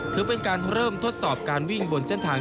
ถือเป็นการเริ่มทดสอบการวิ่งบนเส้นทาง